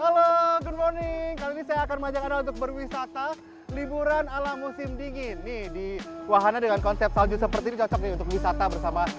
liburan ala musim dingin nih di wahana dengan konsep salju seperti cocok untuk wisata bersama